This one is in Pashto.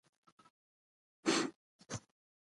خپل د وینې ګروپ وپېژنئ.